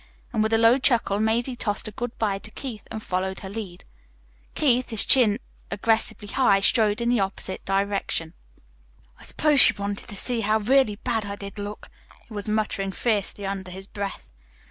And with a low chuckle Mazie tossed a good bye to Keith and followed her lead. Keith, his chin aggressively high, strode in the opposite direction. "I suppose she wanted to see how really bad I did look," he was muttering fiercely, under his breath.